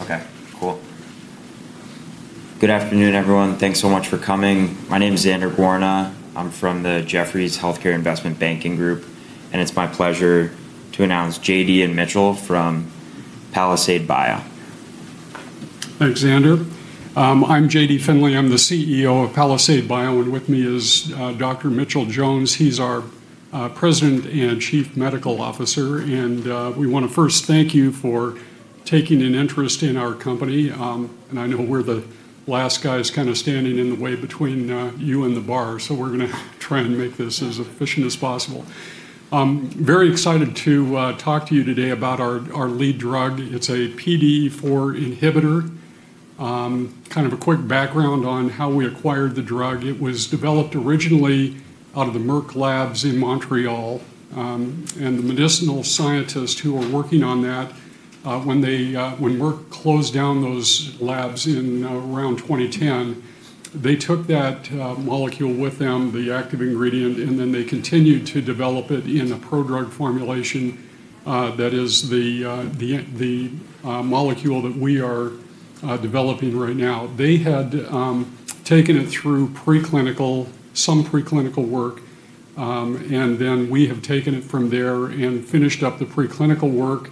Okay, cool. Good afternoon, everyone. Thanks so much for coming. My name is Xander Guarna. I'm from the Jefferies Healthcare Investment Banking group, it's my pleasure to announce J.D. and Mitchell from Palisade Bio. Thanks, Xander. I'm J.D. Finley. I'm the CEO of Palisade Bio, and with me is Dr. Mitchell Jones. He's our President and Chief Medical Officer. We want to first thank you for taking an interest in our company. I know we're the last guys standing in the way between you and the bar, so we're going to try and make this as efficient as possible. I'm very excited to talk to you today about our lead drug. It's a PDE4 inhibitor. A quick background on how we acquired the drug. It was developed originally out of the Merck labs in Montreal. The medicinal scientists who were working on that, when Merck closed down those labs in around 2010, they took that molecule with them, the active ingredient, and then they continued to develop it in a prodrug formulation. That is the molecule that we are developing right now. They had taken it through some preclinical work, then we have taken it from there and finished up the preclinical work.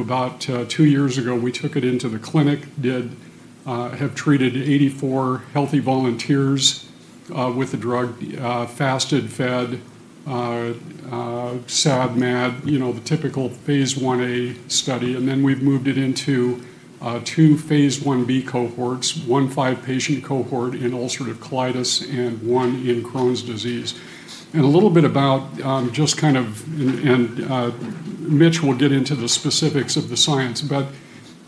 About two years ago, we took it into the clinic, have treated 84 healthy volunteers with the drug, fasted, fed, SAD, MAD, the typical phase I-A study, then we've moved it into two phase I-B cohorts, one five-patient cohort in ulcerative colitis and one in Crohn's disease. Mitch will get into the specifics of the science, but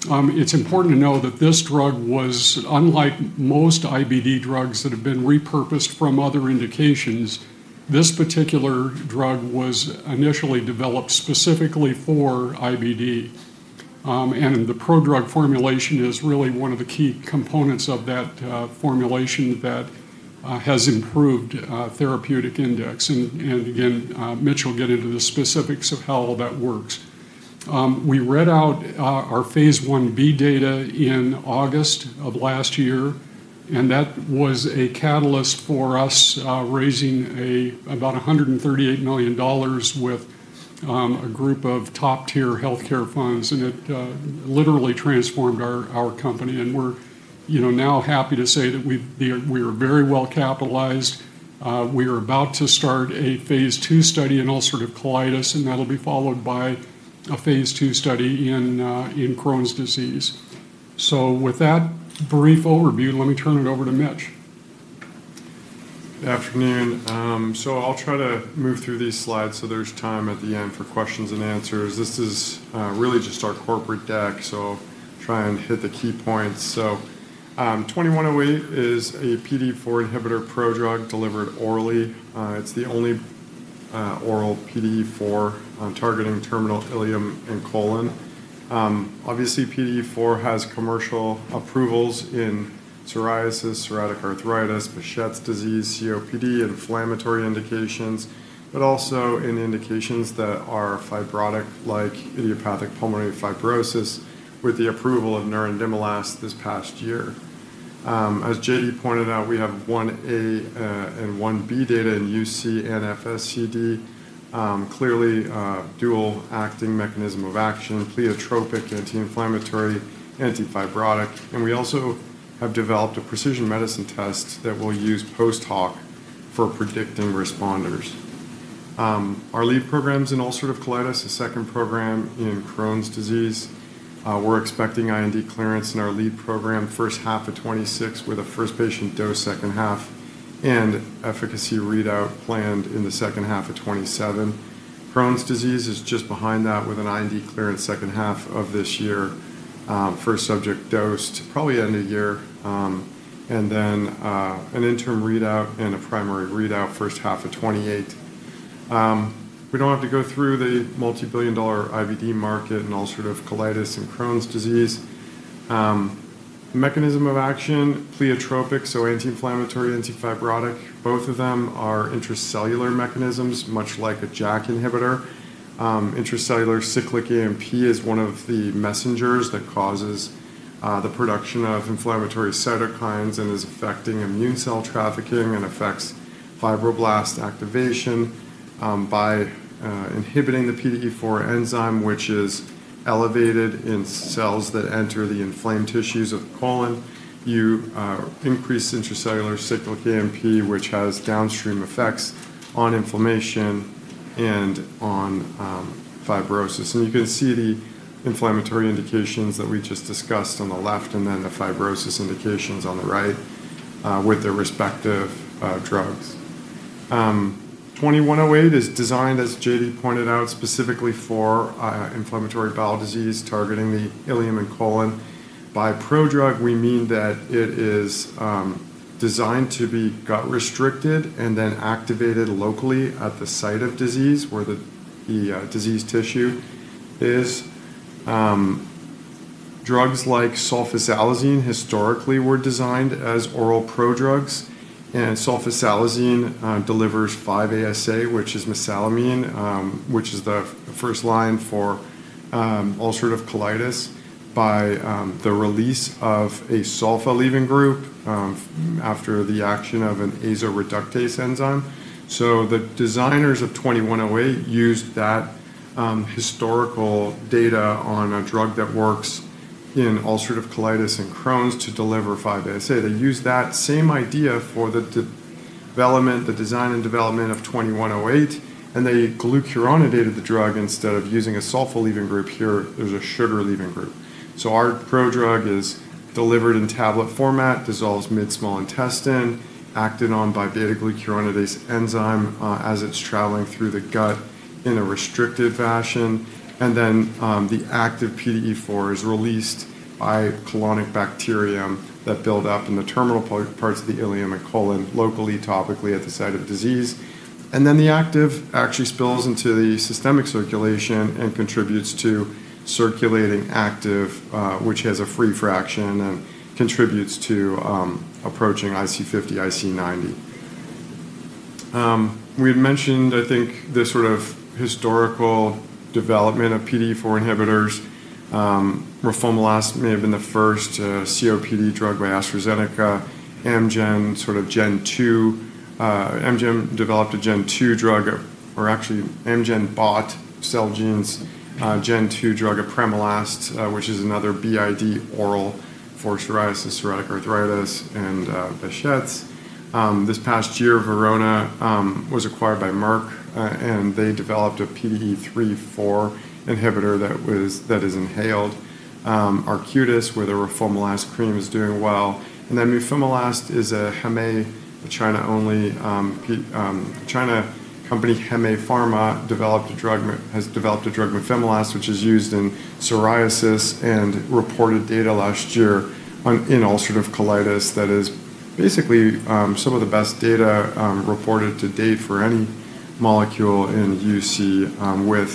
it's important to know that this drug was, unlike most IBD drugs that have been repurposed from other indications, this particular drug was initially developed specifically for IBD. The prodrug formulation is really one of the key components of that formulation that has improved therapeutic index. Again, Mitch will get into the specifics of how all that works. We read out our phase I-B data in August of last year, that was a catalyst for us raising about $138 million with a group of top-tier healthcare funds, it literally transformed our company, we're now happy to say that we are very well capitalized. We are about to start a phase II study in ulcerative colitis, that'll be followed by a phase II study in Crohn's disease. With that brief overview, let me turn it over to Mitch. I'll try to move through these slides so there's time at the end for questions and answers. This is really just our corporate deck, so try and hit the key points. 2108 is a PDE4 inhibitor prodrug delivered orally. It's the only oral PDE4 targeting terminal ileum and colon. Obviously, PDE4 has commercial approvals in psoriasis, psoriatic arthritis, Behçet's disease, COPD, inflammatory indications, but also in indications that are fibrotic like idiopathic pulmonary fibrosis with the approval of nerandomilast this past year. As J.D. pointed out, we have phase I-A and phase I-B data in UC and SES-CD, clearly a dual mechanism of action, pleiotropic, anti-inflammatory, anti-fibrotic, and we also have developed a precision medicine test that we'll use post hoc for predicting responders. Our lead program's in ulcerative colitis, the second program in Crohn's disease. We're expecting IND clearance in our lead program first half of 2026, with a first patient dose second half, and efficacy readout planned in the second half of 2027. Crohn's disease is just behind that with an IND clearance second half of this year. First subject dosed probably end of year. Then an interim readout and a primary readout first half of 2028. We don't have to go through the multi-billion dollar IBD market in ulcerative colitis and Crohn's disease. Mechanism of action, pleiotropic, anti-inflammatory, anti-fibrotic. Both of them are intracellular mechanisms, much like a JAK inhibitor. Intracellular cyclic AMP is one of the messengers that causes the production of inflammatory cytokines and is affecting immune cell trafficking and affects fibroblast activation. By inhibiting the PDE4 enzyme, which is elevated in cells that enter the inflamed tissues of the colon, you increase intracellular cyclic AMP, which has downstream effects on inflammation and on fibrosis. You can see the inflammatory indications that we just discussed on the left, and then the fibrosis indications on the right with their respective drugs. 2108 is designed, as J.D. pointed out, specifically for inflammatory bowel disease, targeting the ileum and colon. By prodrug, we mean that it is designed to be gut restricted and then activated locally at the site of disease where the disease tissue, as drugs like sulfasalazine historically were designed as oral prodrugs, and sulfasalazine delivers 5-ASA, which is mesalamine, which is the first line for ulcerative colitis by the release of a sulfa leaving group after the action of an azoreductase enzyme. The designers of 2108 used that historical data on a drug that works in ulcerative colitis and Crohn's to deliver 5-ASA. They used that same idea for the design and development of 2108, and they glucuronidated the drug instead of using a sulfa leaving group. Here there's a sugar leaving group. Our prodrug is delivered in tablet format, dissolves mid small intestine, acted on by beta-glucuronidase enzyme, as it's traveling through the gut in a restricted fashion. The active PDE4 is released by colonic bacterium that build up in the terminal parts of the ileum and colon, locally, topically at the site of disease. The active actually spills into the systemic circulation and contributes to circulating active, which has a free fraction and contributes to approaching IC50, IC90. We had mentioned, I think, the sort of historical development of PDE4 inhibitors. Roflumilast may have been the first COPD drug by AstraZeneca. Amgen developed a gen 2 drug, or actually Amgen bought Celgene's gen 2 drug, apremilast, which is another BID oral for psoriasis, psoriatic arthritis, and Behçet's. This past year, Verona was acquired by Merck, they developed a PDE3/4 inhibitor that is inhaled. Arcutis, where the roflumilast cream is doing well. Mufemilast is a China company, Hengrui Pharma, has developed a drug, Mufemilast, which is used in psoriasis and reported data last year on in ulcerative colitis that is basically some of the best data reported to date for any molecule in UC, with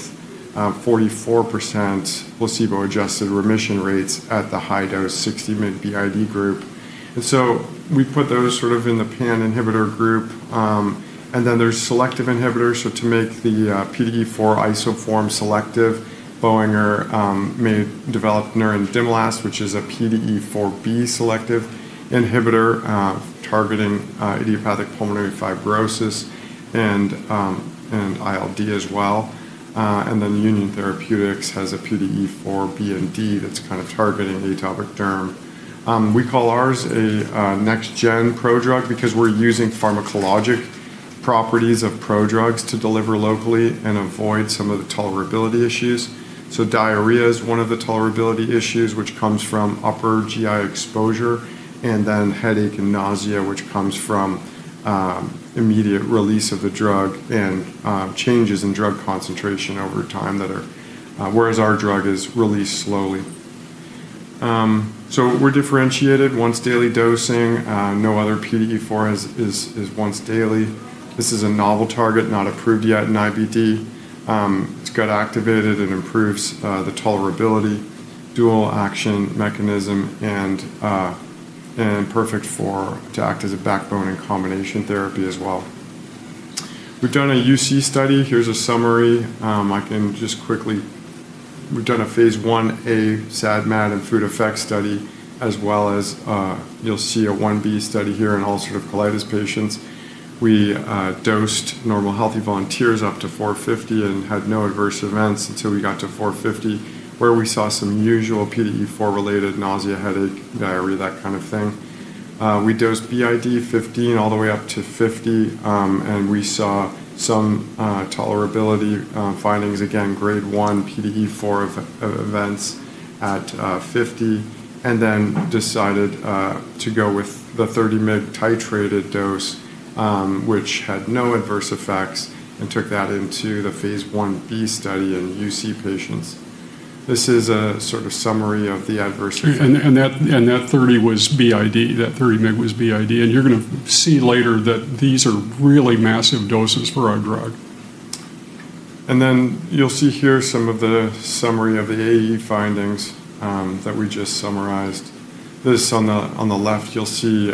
44% placebo-adjusted remission rates at the high dose 60 mg BID group. We put those sort of in the pan inhibitor group. There's selective inhibitors. To make the PDE4 isoform selective, Boehringer developed nerandomilast, which is a PDE4B selective inhibitor, targeting idiopathic pulmonary fibrosis and ILD as well. Union Therapeutics has a PDE4B/D that's kind of targeting atopic derm. We call ours a next gen prodrug because we're using pharmacologic properties of prodrugs to deliver locally and avoid some of the tolerability issues. Diarrhea is one of the tolerability issues which comes from upper GI exposure, and then headache and nausea, which comes from immediate release of the drug and changes in drug concentration over time, whereas our drug is released slowly. We're differentiated, once daily dosing, no other PDE4 is once daily. This is a novel target, not approved yet in IBD. It's gut activated and improves the tolerability, dual action mechanism and perfect to act as a backbone in combination therapy as well. We've done a UC study. Here's a summary. We've done a phase I-A SAD, MAD, and food effect study, as well as, you'll see a phase I-B study here in ulcerative colitis patients. We dosed normal healthy volunteers up to 450 and had no adverse events until we got to 450, where we saw some usual PDE4-related nausea, headache, diarrhea, that kind of thing. We dosed BID 15 all the way up to 50, and we saw some tolerability findings again, Grade 1 PDE4 events at 50, and then decided to go with the 30 mg titrated dose, which had no adverse effects and took that into the phase I-B study in UC patients. That 30 mg was BID, and you're going to see later that these are really massive doses for our drug. You'll see here some of the summary of the AE findings that we just summarized. This on the left, you'll see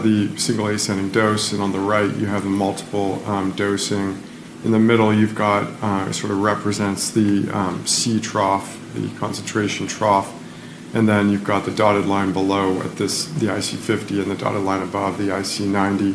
the single ascending dose, and on the right, you have the multiple dosing. In the middle, represents the C trough, the concentration trough, you've got the dotted line below at the IC50 and the dotted line above the IC90.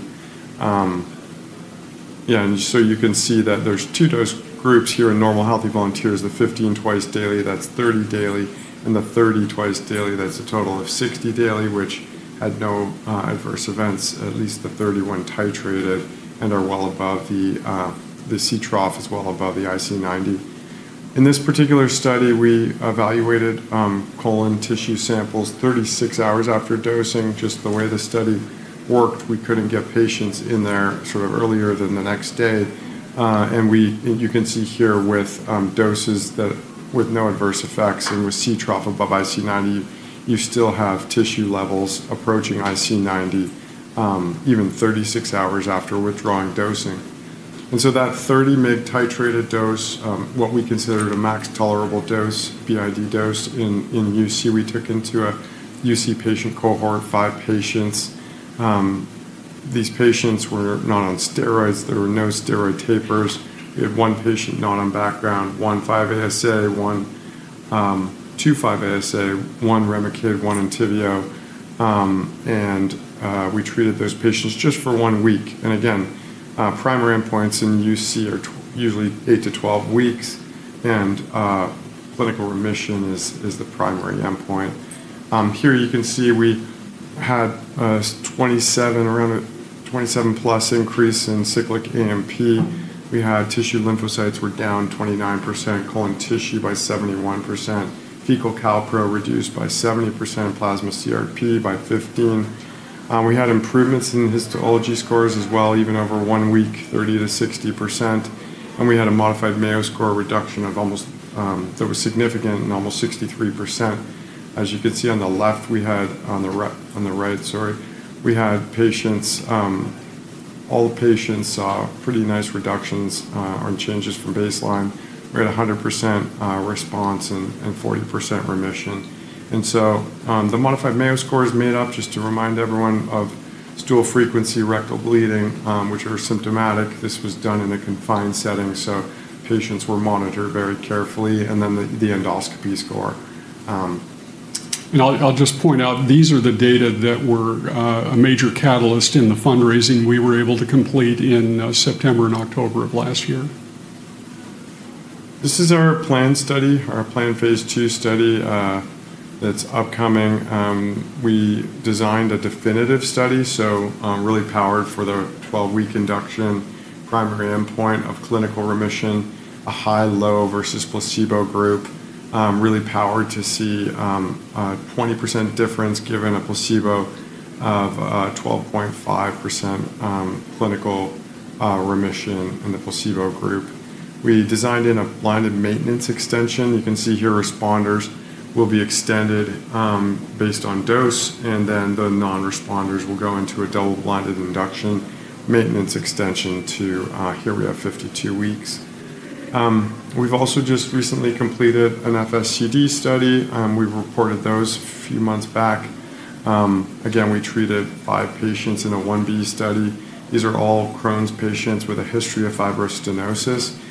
You can see that there's two dose groups here in normal healthy volunteers, the 15 twice daily, that's 30 daily, and the 30 twice daily, that's a total of 60 daily, which had no adverse events, at least the 30 when titrated and are well above the C trough as well above the IC90. In this particular study, we evaluated colon tissue samples 36 hours after dosing. Just the way the study worked, we couldn't get patients in there earlier than the next day. You can see here with doses with no adverse effects and with C trough above IC90, you still have tissue levels approaching IC90 even 36 hours after withdrawing dosing. That 30 mg titrated dose, what we considered a max tolerable dose, BID dose in UC, we took into a UC patient cohort, five patients. These patients were not on steroids. There were no steroid tapers. We had one patient not on background, one 5-ASA, two 5-ASA, one REMICADE, one ENTYVIO, and we treated those patients just for one week. Again, primary endpoints in UC are usually eight to 12 weeks, and clinical remission is the primary endpoint. Here you can see we had around a 27-plus increase in cyclic AMP. We had tissue lymphocytes were down 29%, colon tissue by 71%, fecal calprotectin reduced by 70%, plasma CRP by 15%. We had improvements in histology scores as well, even over one week, 30%-60%. We had a modified Mayo Score reduction that was significant in almost 63%. As you can see on the right, all the patients saw pretty nice reductions on changes from baseline. We had 100% response and 40% remission. The modified Mayo Score is made up just to remind everyone of stool frequency, rectal bleeding which are symptomatic. This was done in a confined setting, so patients were monitored very carefully. The endoscopy score. I'll just point out, these are the data that were a major catalyst in the fundraising we were able to complete in September and October of last year. This is our planned study, our planned phase II study that's upcoming. We designed a definitive study, really powered for the 12-week induction primary endpoint of clinical remission. A high-low versus placebo group. Really powered to see a 20% difference given a placebo of 12.5% clinical remission in the placebo group. We designed in a blinded maintenance extension. You can see here responders will be extended based on dose, and then the non-responders will go into a double-blinded induction maintenance extension here we have 52 weeks. We've also just recently completed an SES-CD study. We've reported those a few months back. We treated five patients in a phase I-B study. These are all Crohn's patients with a history of fibrostenosis.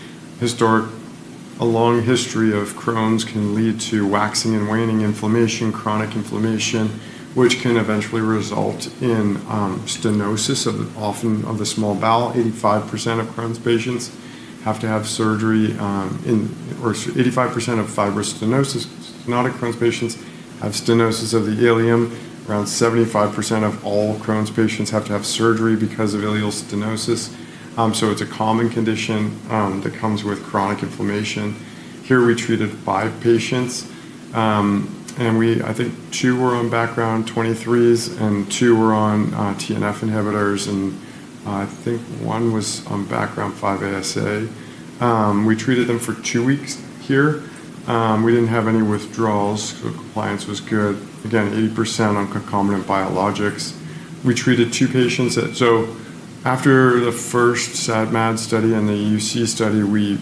A long history of Crohn's can lead to waxing and waning inflammation, chronic inflammation, which can eventually result in stenosis, often of the small bowel. 85% of fibrostenotic Crohn's patients have stenosis of the ileum. Around 75% of all Crohn's patients have to have surgery because of ileal stenosis. It's a common condition that comes with chronic inflammation. Here we treated five patients. I think two were on background IL-23s and two were on TNF inhibitors, and I think one was on background 5-ASA. We treated them for two weeks here. We didn't have any withdrawals. Compliance was good. Again, 80% on concomitant biologics. We treated two patients. After the first SAD/MAD study and the UC study, we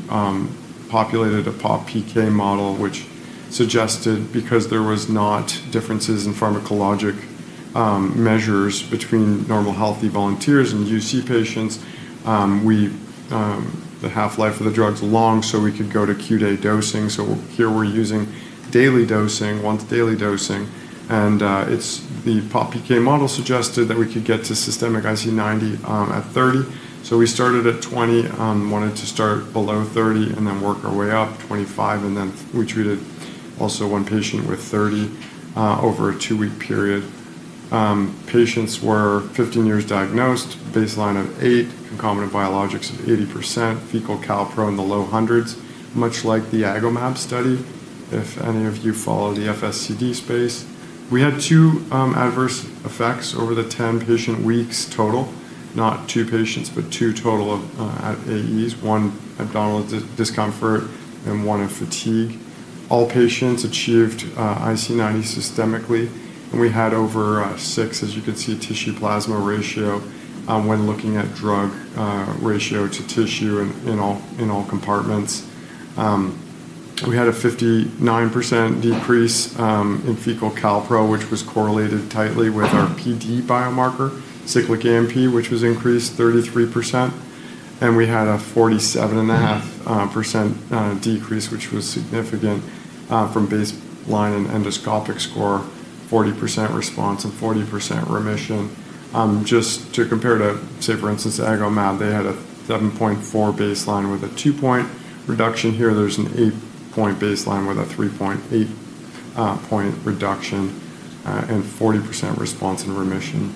populated a PopPK model, which suggested because there was not differences in pharmacologic measures between normal healthy volunteers and UC patients. The half-life of the drug's long, so we could go to QD dosing. Here we're using once daily dosing. The PopPK model suggested that we could get to systemic IC90 at 30. We started at 20, wanted to start below 30, then work our way up, 25, then we treated also one patient with 30 over a two-week period. Patients were 15 years diagnosed, baseline of eight, concomitant biologics of 80%, fecal calpro in the low hundreds, much like the AgomAb study, if any of you follow the FSCD space. We had two adverse effects over the 10 patient weeks total. Not two patients, but two total of AEs, one abdominal discomfort and one in fatigue. All patients achieved IC90 systemically, we had over six, as you can see, tissue plasma ratio when looking at drug ratio to tissue in all compartments. We had a 59% decrease in fecal calpro, which was correlated tightly with our PDE biomarker, cyclic AMP, which was increased 33%. We had a 47.5% decrease, which was significant from baseline and endoscopic score, 40% response and 40% remission. Just to compare to, say, for instance, Agomab, they had a 7.4 baseline with a two-point reduction. Here there's an eight-point baseline with a 3.8-point reduction and 40% response in remission.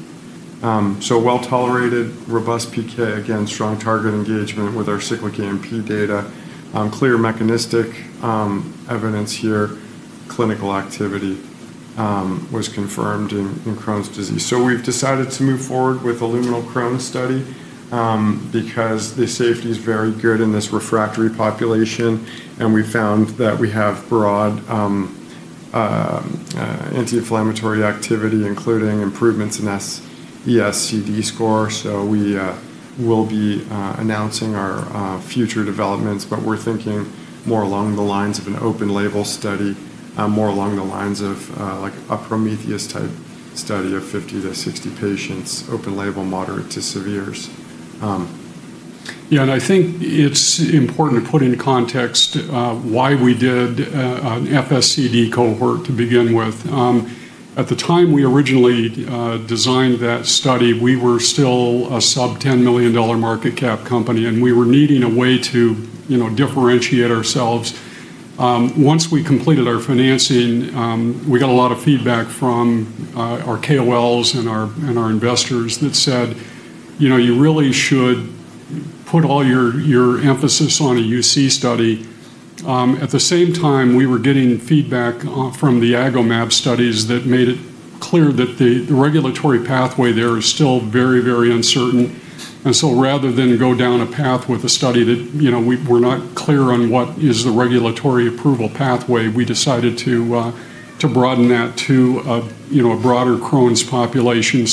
Well-tolerated, robust PK. Again, strong target engagement with our cyclic AMP data. Clear mechanistic evidence here. Clinical activity was confirmed in Crohn's disease. We've decided to move forward with a luminal Crohn's study because the safety's very good in this refractory population, and we found that we have broad anti-inflammatory activity, including improvements in SES-CD score. We will be announcing our future developments, but we're thinking more along the lines of an open-label study, more along the lines of a Prometheus-type study of 50-60 patients, open-label, moderate to severe. Yeah, I think it's important to put into context why we did an FSCD cohort to begin with. At the time we originally designed that study, we were still a sub-$10 million market cap company, and we were needing a way to differentiate ourselves. Once we completed our financing, we got a lot of feedback from our KOLs and our investors that said, "You really should put all your emphasis on a UC study." At the same time, we were getting feedback from the AgomAb studies that made it clear that the regulatory pathway there is still very uncertain. Rather than go down a path with a study that we're not clear on what is the regulatory approval pathway, we decided to broaden that to a broader Crohn's population.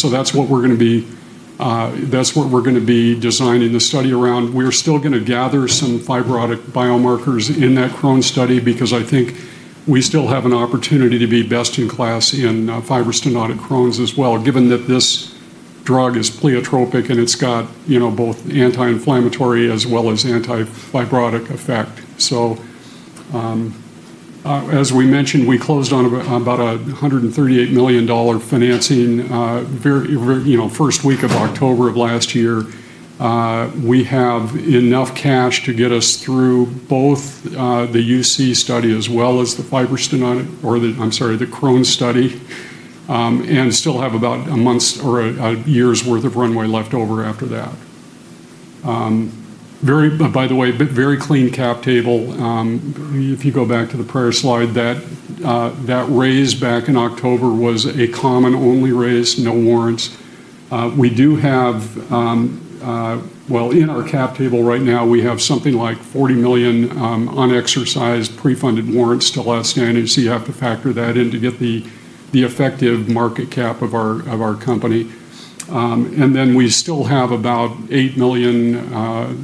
That's what we're going to be designing the study around. We're still going to gather some fibrotic biomarkers in that Crohn's study, because I think we still have an opportunity to be best in class in fibrostenotic Crohn's as well, given that this drug is pleiotropic, and it's got both anti-inflammatory as well as anti-fibrotic effect. As we mentioned, we closed on about a $138 million financing, first week of October of last year. We have enough cash to get us through both the UC study as well as the Crohn's study, and still have about a year's worth of runway left over after that. By the way, very clean cap table. If you go back to the prior slide, that raise back in October was a common-only raise, no warrants. Well, in our cap table right now, we have something like $40 million unexercised pre-funded warrants still outstanding, so you have to factor that in to get the effective market cap of our company. We still have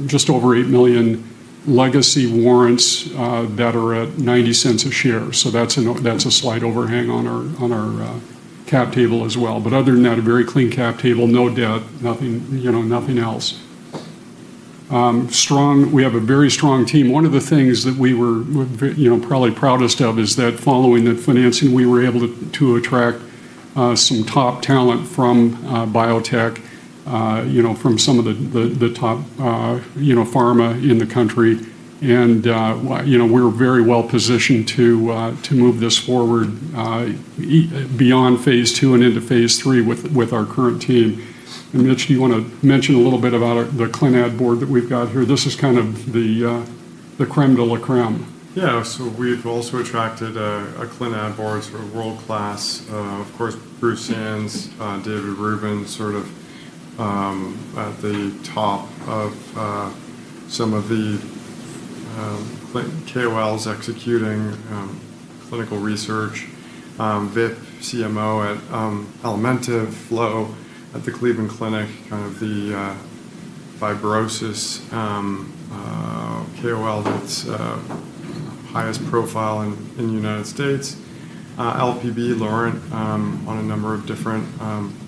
just over $8 million legacy warrants that are at $0.90 a share. That's a slight overhang on our cap table as well. Other than that, a very clean cap table, no debt, nothing else. We have a very strong team. One of the things that we were probably proudest of is that following the financing, we were able to attract some top talent from biotech, from some of the top pharma in the country. We're very well positioned to move this forward beyond phase II and into phase III with our current team. Mitch, do you want to mention a little bit about the clin-ad board that we've got here? This is kind of the crème de la crème. Yeah. We've also attracted a clin-ad board, sort of world-class. Of course, Bruce Sands, David Rubin, sort of at the top of some of the KOLs executing clinical research. Vip, CMO at Alimentiv, Flo at the Cleveland Clinic, kind of the fibrosis KOL that's highest profile in the U.S. LPB, Laurent, on a number of different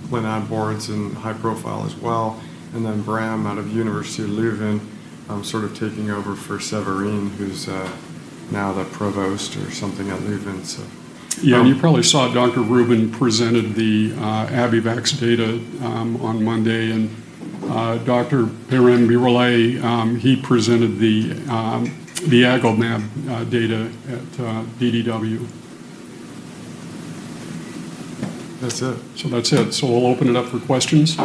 clin-ad boards and high profile as well. Bram out of University of Leuven, sort of taking over for Séverine, who's now the provost or something at Leuven. Yeah, you probably saw Dr. Rubin presented the Abivax data on Monday, and Dr. Peyrin-Biroulet, he presented the AgomAb data at DDW. That's it. That's it. We'll open it up for questions. Oh,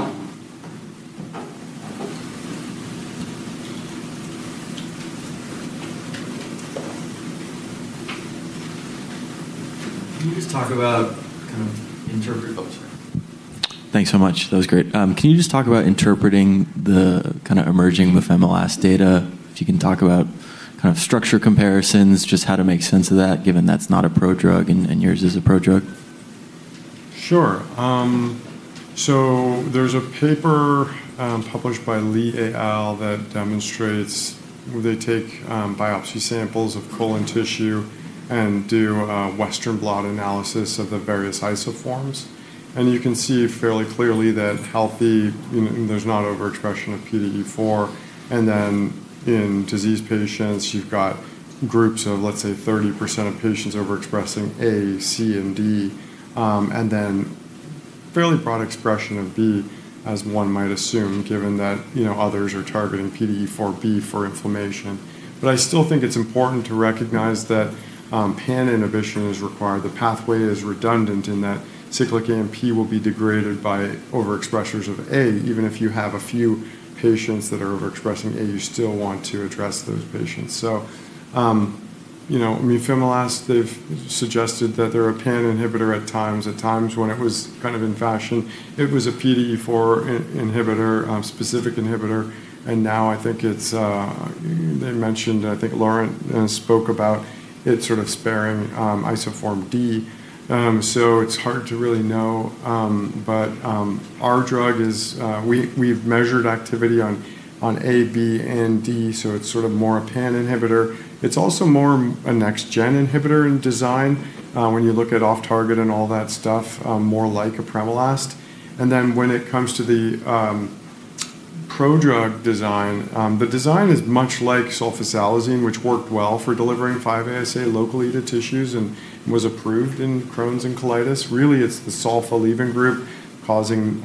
sorry. Thanks so much. That was great. Can you just talk about interpreting the kind of emerging mefemapras data? If you can talk about kind of structure comparisons, just how to make sense of that, given that's not a prodrug and yours is a prodrug. Sure. There's a paper published by Li et al. that demonstrates where they take biopsy samples of colon tissue and do western blot analysis of the various isoforms. You can see fairly clearly that healthy, there's not overexpression of PDE4. In disease patients, you've got groups of, let's say, 30% of patients overexpressing A, C, and D, and then fairly broad expression of B, as one might assume, given that others are targeting PDE4B for inflammation. I still think it's important to recognize that PAN inhibition is required. The pathway is redundant in that cyclic AMP will be degraded by overexpressors of A. Even if you have a few patients that are overexpressing A, you still want to address those patients. Apremilast, they've suggested that they're a PAN inhibitor at times. At times when it was kind of in fashion, it was a PDE4 inhibitor, a specific inhibitor. Now I think it's, they mentioned, I think Laurent spoke about it sort of sparing isoform D. It's hard to really know. Our drug is, we've measured activity on A, B, and D, so it's sort of more a PAN inhibitor. It's also more a next-gen inhibitor in design. When you look at off-target and all that stuff, more like apremilast. When it comes to the prodrug design, the design is much like sulfasalazine, which worked well for delivering 5-ASA locally to tissues and was approved in Crohn's and colitis. Really, it's the sulfa-leaving group causing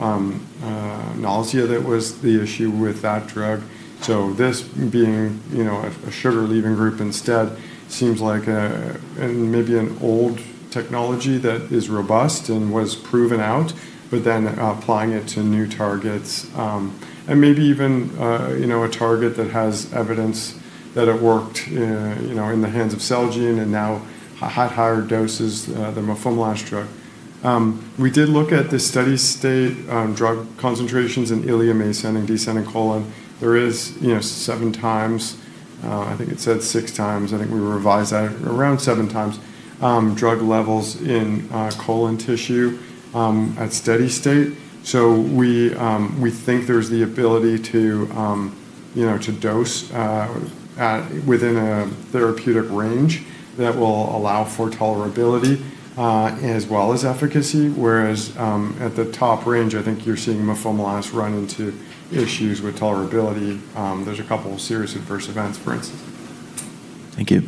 nausea that was the issue with that drug. This being a sugar-leaving group instead seems like maybe an old technology that is robust and was proven out, applying it to new targets. Maybe even a target that has evidence that it worked in the hands of Celgene and now at higher doses than apremilast drug. We did look at the steady-state drug concentrations in ileum, ascending, descending colon. There is seven times drug levels in colon tissue at steady state. We think there's the ability to dose within a therapeutic range that will allow for tolerability as well as efficacy. Whereas at the top range, I think you're seeing apremilast run into issues with tolerability. There's a couple of serious adverse events, for instance. Thank you.